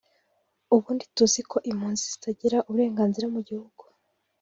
“Ubundi tuzi ko impunzi zitagira uburenganzira mu gihugu